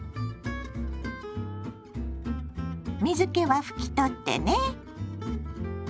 水けは拭き取ってね。